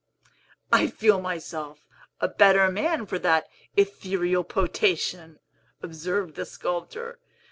"I feel myself a better man for that ethereal potation," observed the sculptor.